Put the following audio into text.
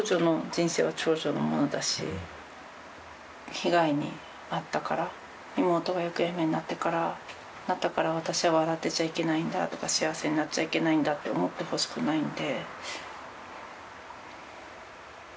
被害に遭ったから妹が行方不明になったから私は笑ってちゃいけないんだとか幸せになっちゃいけないんだって思ってほしくないんで。